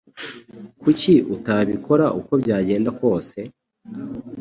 Kuki utabikora uko byagenda kose?